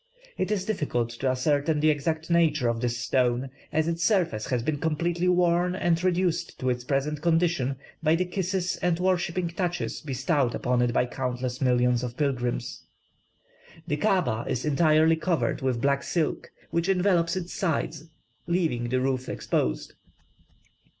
It is difficult to ascertain the exact nature of this stone, as its surface has been completely worn and reduced to its present condition by the kisses and worshipping touches bestowed upon it by countless millions of pilgrims. The Kaaba is entirely covered with black silk, which envelopes its sides, leaving the roof exposed.